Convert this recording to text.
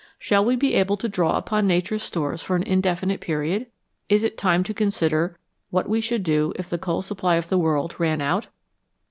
Shall we be able to draw upon Nature's stores for an indefinite period ? Is it time to consider what we should do if the coal supply of the world ran out